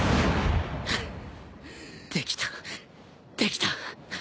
できたできた！